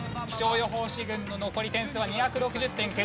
気象予報士軍の残り点数は２６０点。